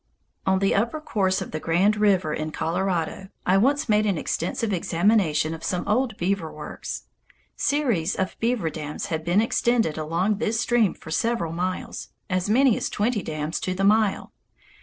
On the upper course of Grand River in Colorado, I once made an extensive examination of some old beaver works. Series of beaver dams had been extended along this stream for several miles, as many as twenty dams to the mile.